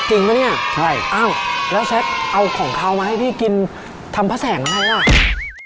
จริงปะเนี่ยอ้าวแล้วแซ็กเอาของขาวมาให้พี่กินทำพระแสงอะไรล่ะใช่